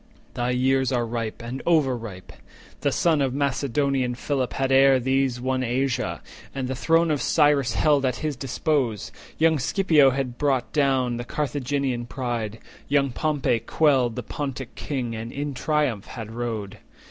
30 Thy years are ripe, and over ripe. The son Of Macedonian Philip had ere these Won Asia, and the throne of Cyrus held At his dispose; young Scipio had brought down The Carthaginian pride; young Pompey quelled The Pontic king, and in triumph had rode.